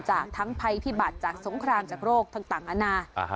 จากทั้งภัยพิบัติจากสงครามจากโรคต่างอาณา